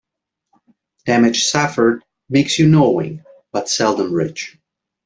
Damage suffered makes you knowing, but seldom rich.